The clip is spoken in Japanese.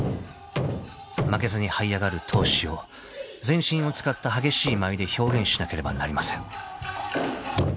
［負けずにはい上がる闘志を全身を使った激しい舞で表現しなければなりません］